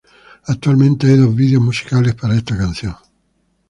Actualmente hay dos videos musicales para esta canción.